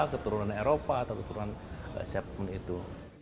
keturunan eropa atau keturunan siapapun itu